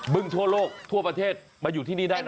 ึงทั่วโลกทั่วประเทศมาอยู่ที่นี่ได้นะ